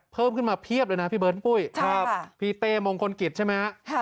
เพิ่มขึ้นมาเพียบเลยนะพี่เบิร์นปุ้ยพี่เตมองคลกิจใช่ไหมครับ